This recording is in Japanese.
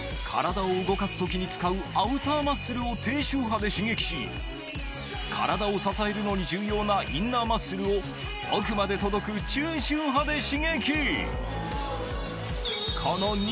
体を動かす時に使うアウターマッスルを低周波で刺激し体を支えるのに重要なインナーマッスルを奥まで届く中周波で刺激